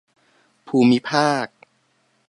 ภูมิภาค